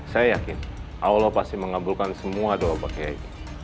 saya yakin allah pasti mengabulkan semua doa pak kiai